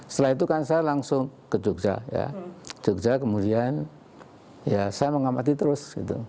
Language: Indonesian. setelah itu kan saya langsung ke jogja ya jogja kemudian ya saya mengamati terus